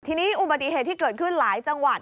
ทีนี้อุบัติเหตุที่เกิดขึ้นหลายจังหวัด